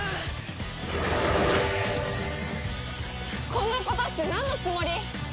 こんなことしてなんのつもり！？